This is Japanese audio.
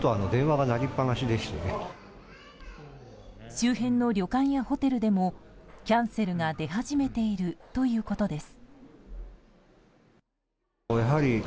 周辺の旅館やホテルでもキャンセルが出始めているということです。